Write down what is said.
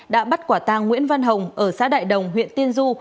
đã bắt quả tàng nguyễn văn hồng ở xã đại đồng huyện tiên du